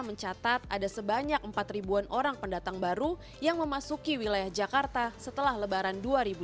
mencatat ada sebanyak empat ribu orang pendatang baru yang memasuki wilayah jakarta setelah lebaran